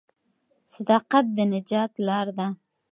صداقت د نجات لار ده.